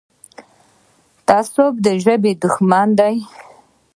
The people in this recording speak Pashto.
تعصب د ژبې دښمن دی.